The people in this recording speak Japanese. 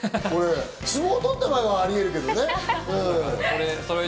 相撲とった場合はあるけどね。